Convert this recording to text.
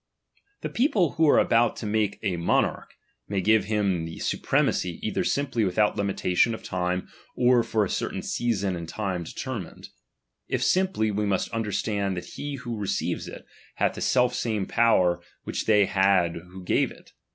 The people who are about to make a mo narch, may give him the supremacy either simply ' without limitation of time, or for a certain season and time determined. If simply, we must under stand that he who receives it, hath the self same power which they had who gave it.